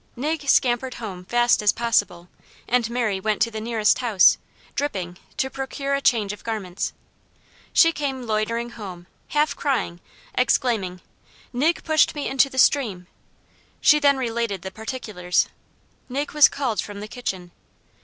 Nig scampered home fast as possible, and Mary went to the nearest house, dripping, to procure a change of garments. She came loitering home, half crying, exclaiming, "Nig pushed me into the stream!" She then related the particulars. Nig was called from the kitchen.